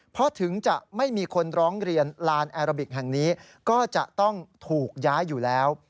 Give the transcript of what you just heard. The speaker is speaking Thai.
เพราะถึงจะไม่มีคนร้องเรียนลานแอราบิกแห่งนี้ก็จะต้องถูกย้ายอยู่แล้ว